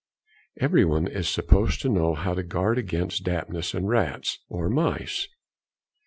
Everyone is supposed to know how to guard against dampness and rats or mice.